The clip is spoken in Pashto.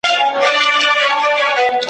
ستا په نوم به معبدونه ابادېږي `